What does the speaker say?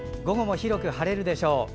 午後も広く晴れるでしょう。